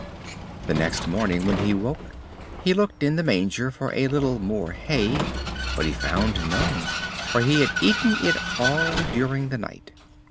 The next morning when he woke he looked in the manger for a little more hay; but he found none, for he had eaten it all during the night.